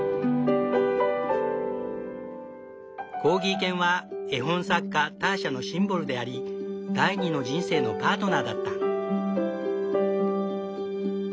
コーギー犬は絵本作家ターシャのシンボルであり第二の人生のパートナーだった。